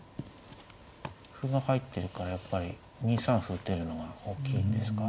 歩が入ってるからやっぱり２三歩打てるのが大きいんですか。